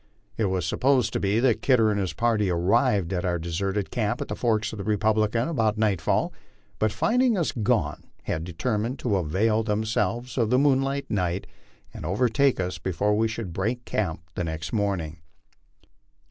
It was supposed that Kidder and his party arrived at our deserted camp at the forks of the Repub lican about nightfall, but finding us gone had determined to avail themselves of the moonlit night and overtake us before we should break camp next morn ing.